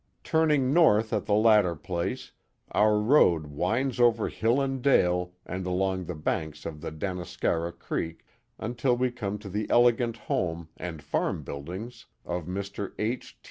Turning north at the latter place our road winds over hill and dale and along the banks of the Danascara Creek until we come lo the elegant home, and farm buildings of Mr, H.